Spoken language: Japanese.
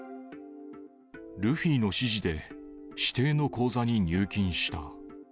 ルフィの指示で指定の口座に入金した。